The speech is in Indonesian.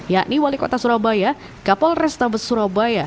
yakni wali kota surabaya kapol restabes surabaya